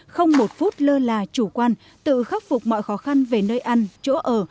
không một phút lơ là chủ quan tự khắc phục mọi khó khăn về nơi ăn chỗ ở